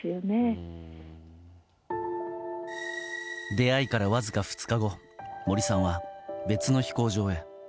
出会いからわずか２日後森さんは別の飛行場へ。